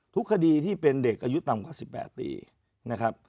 ทุกคดีที่เป็นเด็กอายุต่ำกว่า๑๘ปีนะครับ